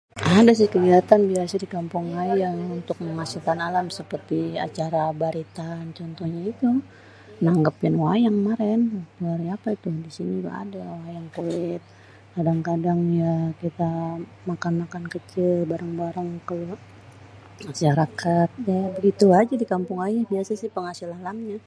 Ada sih kegiatan biasa di kampung ayé yang untuk hasil alam seperti acara baritan contohnya itu nanggépin wayang kemaren. Di hari apa tuh, di sini juga ada, wayang kulit. Kadang-kadang ya kita makan-makan kecil ya bareng-bareng ke masyarakat. Ya begitu aja di kampung ayé biasanya sih penghasilannya.